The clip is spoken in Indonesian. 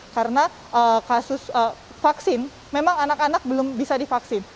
karena kasus vaksin memang anak anak belum bisa divaksin